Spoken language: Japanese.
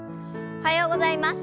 おはようございます。